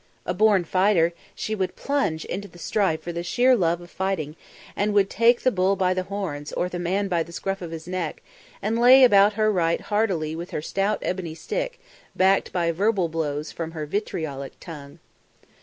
A born fighter, she would plunge into the strife for the sheer love of fighting and would take the bull by the horns or the man by the scruff of his neck and lay about her right heartily with her stout ebony stick backed by verbal blows from her vitriolic tongue.